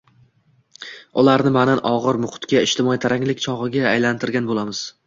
ularni ma’nan og‘ir muhitga, ijtimoiy taranglik o‘chog‘iga aylantirgan bo‘lamiz.